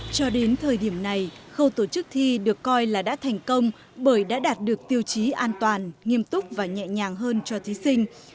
cho đến thời điểm này khâu tổ chức thi được coi là đã thành công bởi đã đạt được tiêu chí an toàn nghiêm túc và nhẹ nhàng hơn cho thí sinh